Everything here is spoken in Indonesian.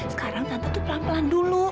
sekarang tante tuh pelan pelan dulu